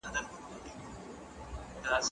زه به سبا سبزیحات وخورم؟!